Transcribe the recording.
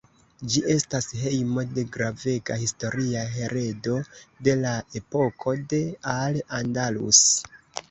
Ĝi estas hejmo de gravega historia heredo de la epoko de Al Andalus.